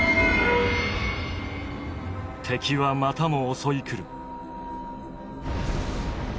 敵はまたも襲い来る。